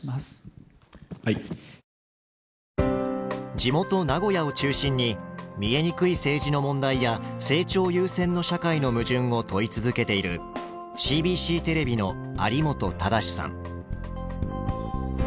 地元名古屋を中心に見えにくい政治の問題や成長優先の社会の矛盾を問い続けているＣＢＣテレビの有本整さん。